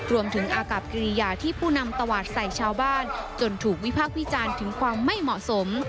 รวมถึงอากาศกิริยาที่ผู้นำตวาดใส่ชาวบ้านจนถูกวิพากษ์วิจารณ์ถึงความไม่เหมาะสม